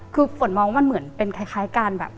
คือฝนมองว่ามันเหมือนเป็นคล้ายการแบบ